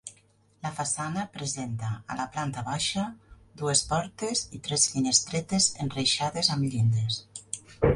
La façana presenta, a la planta baixa, dues portes i tres finestretes enreixades amb llindes.